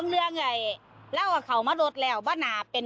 เย็นเหรอบางที่สามคน